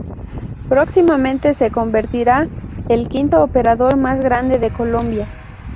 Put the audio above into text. Próximamente se convertirá el quinto operador más grande de Colombia.